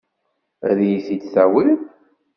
Ad iyi-t-id-tawiḍ?